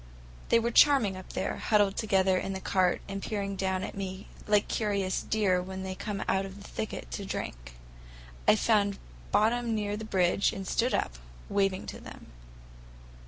They were charming up there, huddled together in the cart and peering down at me like curious deer when they come out of the thicket to drink. I found bottom near the bridge and stood up, waving to them.